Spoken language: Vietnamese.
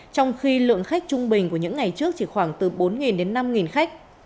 trong khi lượng khách trung bình của những ngày trước chỉ khoảng từ bốn đến năm khách